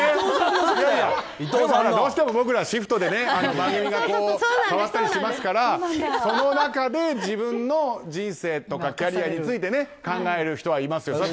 どうしても僕らはシフトで番組が変わったりしますからその中で自分の人生とかキャリアについて考える人はいますよ。